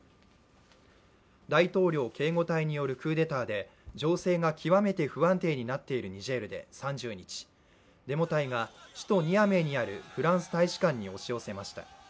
大統領警護隊によるクーデターで情勢が極めて不安定になっているニジェールで３０日、デモ隊が首都ニアメーにあるフランス大使館に押し寄せました。